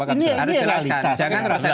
ini harus dijelaskan